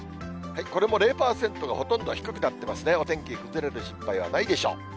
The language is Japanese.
これも０％がほとんど、低くなってますね、お天気崩れる心配はないでしょう。